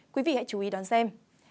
quý vị hãy chú ý đón xem